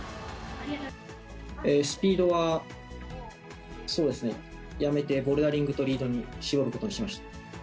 スピードはやめて、ボルダリングとリードに絞ることにしました。